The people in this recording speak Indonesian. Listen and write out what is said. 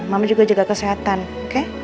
mama juga jaga kesehatan oke